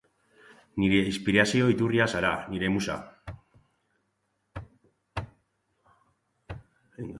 Nire inspirazio iturri zara, nire musa!